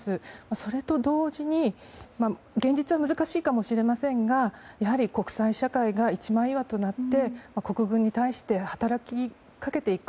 それと同時に現実は難しいかもしれませんがやはり国際社会が一枚岩となって国軍に対して働きかけていく。